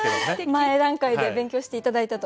前段階で勉強して頂いたと。